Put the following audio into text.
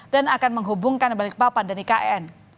dan akan menghubungkan balikpapan dan ikn